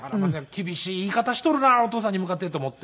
厳しい言い方しとるなお父さんに向かってと思って。